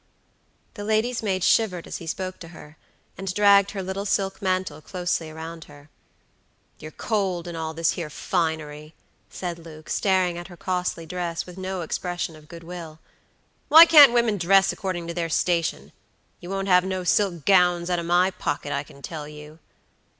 The lady's maid shivered as he spoke to her, and dragged her little silk mantle closely around her. "You're cold in all this here finery," said Luke, staring at her costly dress with no expression of good will. "Why can't women dress according to their station? You won't have no silk gownds out of my pocket, I can tell you."